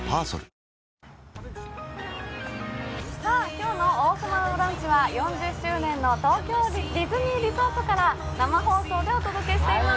今日の「王様のブランチ」は４０周年の東京ディズニーリゾートから生放送でお届けしています。